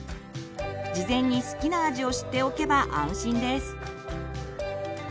事前に好きな味を知っておけば安心です。